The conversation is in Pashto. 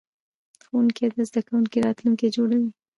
ښوونکی د زده کوونکي راتلونکی جوړوي.